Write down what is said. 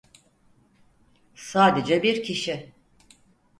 Sadece bir kişi.